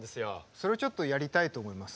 それちょっとやりたいと思います。